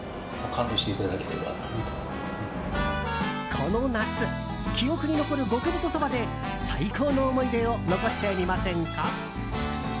この夏、記憶に残る極太そばで最高の思い出を残してみませんか？